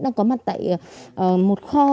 đang có mặt tại một kho